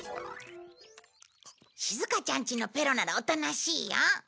しずかちゃんちのペロならおとなしいよ。